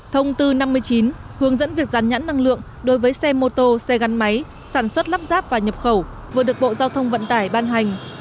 thông tư năm mươi chín hướng dẫn việc gián nhãn năng lượng đối với xe mô tô xe gắn máy sản xuất lắp ráp và nhập khẩu vừa được bộ giao thông vận tải ban hành